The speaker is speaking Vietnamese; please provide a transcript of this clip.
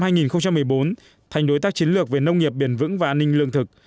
năm hai nghìn một mươi bốn thành đối tác chiến lược về nông nghiệp bền vững và an ninh lương thực